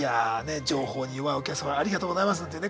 「情報に弱いお客様ありがとうございます」ってね